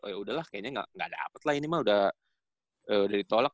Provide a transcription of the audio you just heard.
oh yaudah lah kayaknya gak dapet lah ini mah udah ditolak